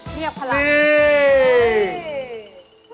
เรียกผลัก